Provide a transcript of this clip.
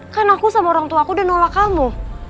kan aku sama orangtuaku udah nolak kamu